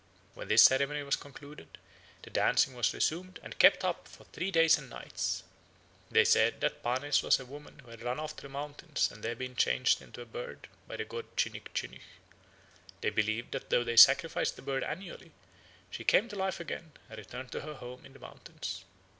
When this ceremony was concluded, the dancing was resumed and kept up for three days and nights. They said that the Panes was a woman who had run off to the mountains and there been changed into a bird by the god Chinigchinich. They believed that though they sacrificed the bird annually, she came to life again and returned to her home in the mountains.